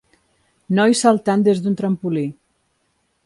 Noi saltant des d'un trampolí.